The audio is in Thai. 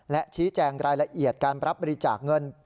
และชี้แจงรายละเอียดการรับบริจาคเงิน